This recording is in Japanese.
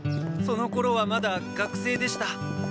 そのころはまだ学生でした。